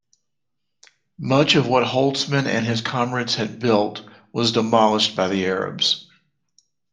Much of what Holtzman and his comrades had built was demolished by the Arabs.